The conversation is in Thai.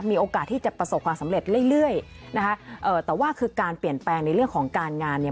มีโอกาสที่จะประสบความสำเร็จเรื่อยเรื่อยนะคะเอ่อแต่ว่าคือการเปลี่ยนแปลงในเรื่องของการงานเนี่ย